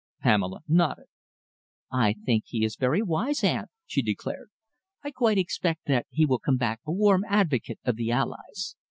Pamela nodded. "I think he is very wise, aunt," she declared. "I quite expect that he will come back a warm advocate of the Allies.